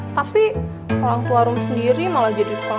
tapi orang tua rumi sendiri malah jadi orang gosip